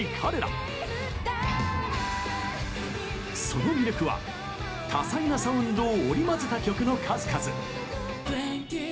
その魅力は多彩なサウンドを織り交ぜた曲の数々。